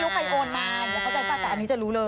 เข้าใจกันแต่อันนี้จะรู้เลย